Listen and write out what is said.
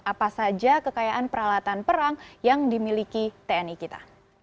apa saja kekayaan peralatan perang yang dimiliki tni kita